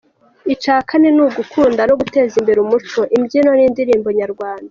Icya kane ni ugukunda no guteza imbere umuco, imbyino n’indirimbo nyarwanda.